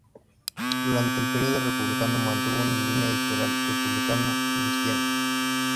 Durante el periodo republicano mantuvo una línea editorial republicana y de izquierdas.